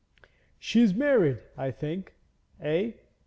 'She's married, I think, eh?'